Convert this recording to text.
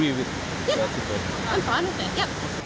ya saya setuju dengan itu